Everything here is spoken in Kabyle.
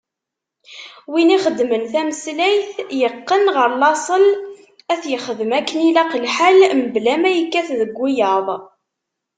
Win ixeddmen tameslayt, yeqqen ɣer laṣel ad t-yexdem akken ilaq lḥal, mebla ma yekkat deg wiyaḍ.